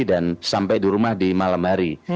dan sampai di rumah di malam hari